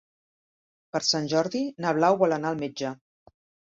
Per Sant Jordi na Blau vol anar al metge.